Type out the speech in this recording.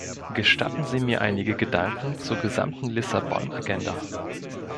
Gestatten Sie mir einige Gedanken zur gesamten Lissabon-Agenda.